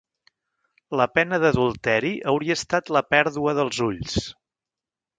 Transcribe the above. La pena d'adulteri hauria estat la pèrdua dels ulls.